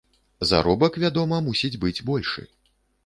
Заробак, вядома, мусіць быць большы.